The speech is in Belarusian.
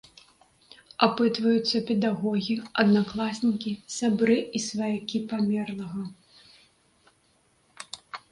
Апытваюцца педагогі, аднакласнікі, сябры і сваякі памерлага.